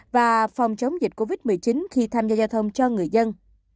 và phòng chống dịch covid một mươi chín khi tham gia giao thông cho người dân